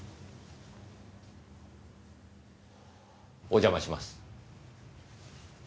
お邪魔します。